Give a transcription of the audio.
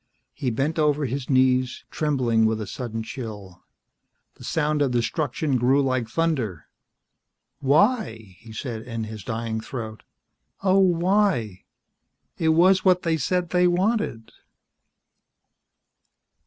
He bent over his knees, trembling with a sudden chill. The sound of destruction grew like thunder. "Why?" he said in his dying throat. "Oh, why? It was what they said they wanted."